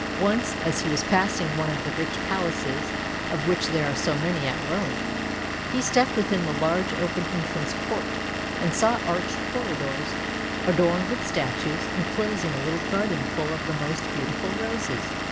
Once, as he was passing one of the rich palaces, of which there are so many at Rome, he stepped within the large open entrance court, and saw arched corridors adorned with statues, enclosing a little garden full of the most beautiful roses.